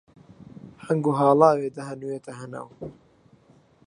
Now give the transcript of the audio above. هەنگ و هاڵاوێ دەهەنوێتە هەناو